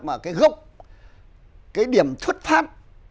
mà cái gốc cái điểm xuất phát